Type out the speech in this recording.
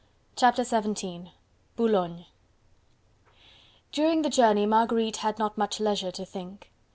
Chapter XVII: Boulogne During the journey Marguerite had not much leisure to think.